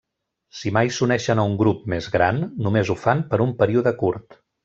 Si mai s'uneixen a un grup més gran, només ho fan per un període curt.